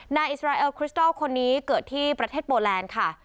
อิสราเอลคริสตอลคนนี้เกิดที่ประเทศโปแลนด์ค่ะ